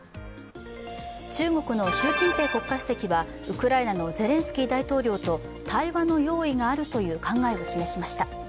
中国の習近平国家主席はウクライナのゼレンスキー大統領と対話の用意があるという考えを示しました。